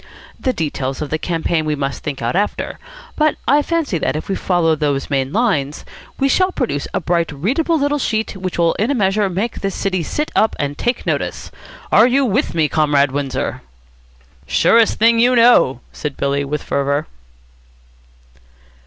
The details of the campaign we must think out after, but I fancy that, if we follow those main lines, we shall produce a bright, readable little sheet which will in a measure make this city sit up and take notice. Are you with me, Comrade Windsor?" "Surest thing you know," said Billy with fervour.